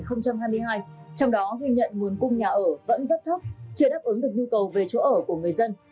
trong đó ghi nhận nguồn cung nhà ở vẫn rất thấp chưa đáp ứng được nhu cầu về chỗ ở của người dân